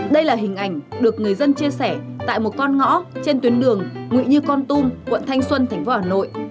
đây là hình ảnh được người dân chia sẻ tại một con ngõ trên tuyến đường nguyễn như con tum quận thanh xuân thành phố hà nội